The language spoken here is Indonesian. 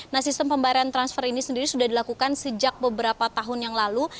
nah sistem pembayaran transfer ini sendiri sudah dilakukan sejak beberapa tahun yang lalu